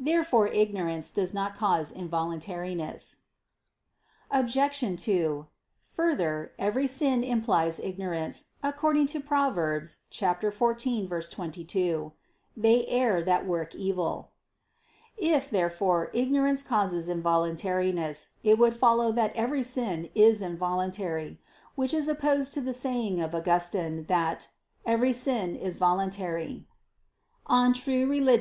Therefore ignorance does not cause involuntariness. Obj. 2: Further, every sin implies ignorance; according to Prov. 14:22: "They err, that work evil." If, therefore, ignorance causes involuntariness, it would follow that every sin is involuntary: which is opposed to the saying of Augustine, that "every sin is voluntary" (De Vera Relig.